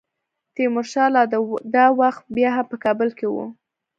تیمورشاه لا دا وخت بیا هم په کابل کې وو.